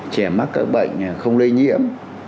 trẻ mắc các bệnh không lây nhiễm